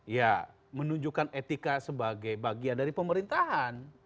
ya menunjukkan etika sebagai bagian dari pemerintahan